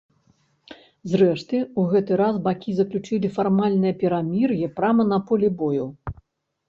Зрэшты, у гэты раз бакі заключылі фармальнае перамір'е прама на полі бою.